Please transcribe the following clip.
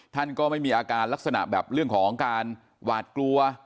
ท่านก็ไม่มีอาการลักษณะแบบเรื่องของการหวาดกลัว